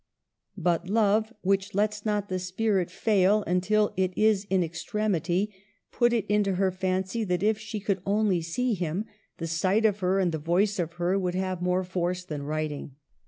But I.ove, which lets not the spirit fail until it is in extremity, put it into her fancy that if she could only see him, the sight of her and the voice of her would have more force than writing.